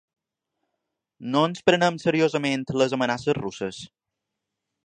No ens prenem seriosament les amenaces russes?